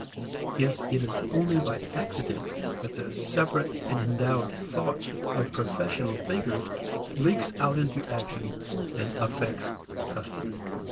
Hence it is only by accident that the separate and endowed "thought" of professional thinkers leaks out into action and affects custom.